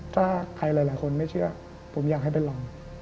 ถ้าใครหลายคนไม่เชื่อผมอยากให้ไปลอง